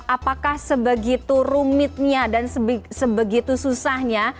apakah sebegitu rumitnya dan sebegitu susahnya